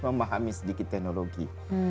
memahami sedikit teknologi